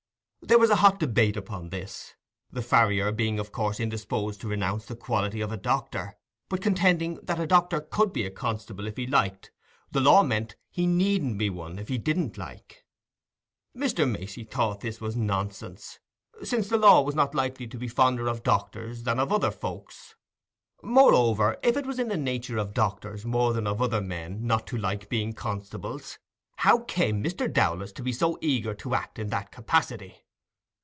There was a hot debate upon this, the farrier being of course indisposed to renounce the quality of doctor, but contending that a doctor could be a constable if he liked—the law meant, he needn't be one if he didn't like. Mr. Macey thought this was nonsense, since the law was not likely to be fonder of doctors than of other folks. Moreover, if it was in the nature of doctors more than of other men not to like being constables, how came Mr. Dowlas to be so eager to act in that capacity?